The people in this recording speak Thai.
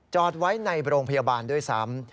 จอดไว้ในโรงพยาบาลด้วยซ้ำ